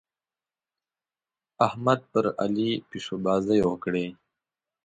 احمد پر علي پيشوبازۍ وکړې.